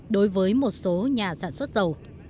đối với một số nhà sản xuất dầu